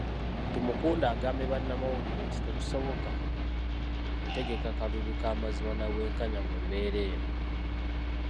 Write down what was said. Tumukunde agambye bannamawulire nti tekisoboka kutegaka kalulu k'amazima na bwenkanya mu mbeera eno.